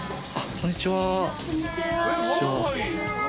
こんにちは。